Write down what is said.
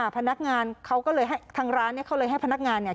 พนักงานเขาก็เลยให้ทางร้านเนี่ยเขาเลยให้พนักงานเนี่ย